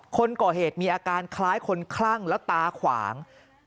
คนก่อเหตุมีอาการคล้ายคนคลั่งแล้วตาขวาง